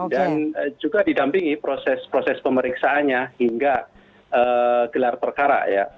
dan juga didampingi proses proses pemeriksaannya hingga gelar perkara